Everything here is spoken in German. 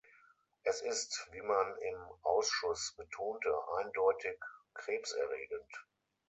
Es ist, wie man im Ausschuss betonte, eindeutig krebserregend.